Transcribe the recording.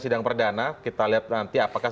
sidang perdana kita lihat nanti apakah